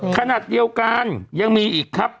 ขณะเดียวกันยังมีอีกครับ